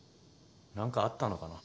何かあったのかな？